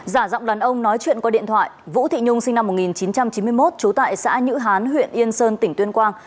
giả giọng đàn ông nói chuyện qua điện thoại vũ thị nhung sinh năm một nghìn chín trăm chín mươi một trú tại xã nhữ hán huyện yên sơn tỉnh tuyên quang